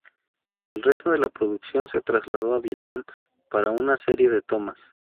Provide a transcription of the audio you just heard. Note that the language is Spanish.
El resto de la producción se trasladó a Vietnam, para una serie de tomas.